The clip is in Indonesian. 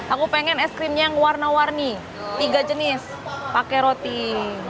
aku pengen es krimnya yang warna warni tiga jenis pakai roti mantap kali nih bu